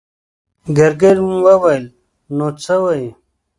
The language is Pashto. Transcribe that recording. ګرګين وويل: نو څه وايې؟